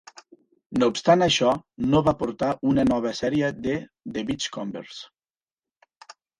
No obstant això, no va portar a una nova sèrie de "The Beachcombers".